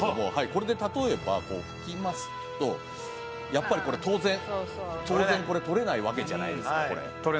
これで例えばこう拭きますとやっぱりこれ当然当然取れないわけじゃないですかこれ。